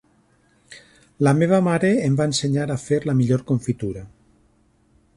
La meva mare em va ensenyar a fer la millor confitura.